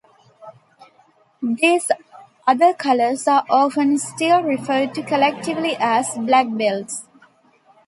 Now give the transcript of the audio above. These other colors are often still referred to collectively as "black belts".